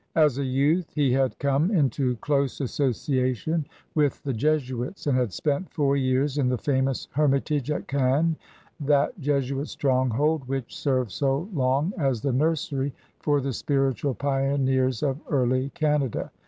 As a youth he had come into close association with the Jesuits, and had spent four years in the famous Hermitage at Caen, that Jesuit stronghold which served so long as the nursery for the spiritual pioneers of early Canada.